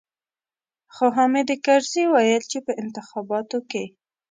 خو حامد کرزي ويل چې په انتخاباتو کې.